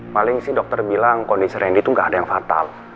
paling si dokter bilang kondisi randy itu gak ada yang fatal